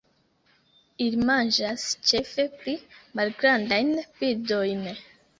Ili manĝas ĉefe pli malgrandajn birdojn.